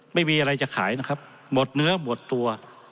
ไม่มีอะไรจะขายนะครับหมดเนื้อหมดตัว